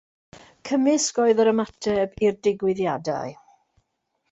Cymysg oedd yr ymateb i'r diwygiadau.